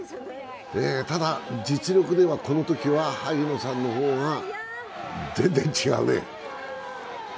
ただ、実力ではこのときは萩野さんの方が全然違うね。